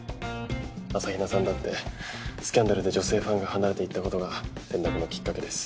朝比奈さんだってスキャンダルで女性ファンが離れていったことが転落のきっかけです。